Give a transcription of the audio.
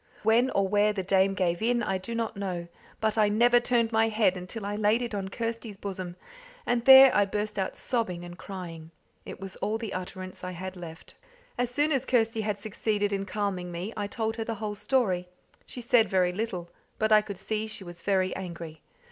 When or where the dame gave in, I do not know; I never turned my head until I laid it on Kirsty's bosom, and there I burst out sobbing and crying. It was all the utterance I had left. As soon as Kirsty had succeeded in calming me, I told her the whole story. She said very little, but I could see she was very angry.